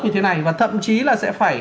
như thế này và thậm chí là sẽ phải